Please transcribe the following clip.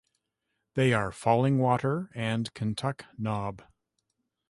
They are Fallingwater and Kentuck Knob.